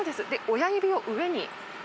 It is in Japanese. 親指を上に。